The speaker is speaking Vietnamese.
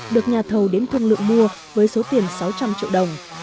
được nhà thầu đến thương lượng mua với số tiền sáu trăm linh triệu đồng